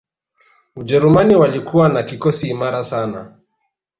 Ujerumani walikuwa na kikosi imara sana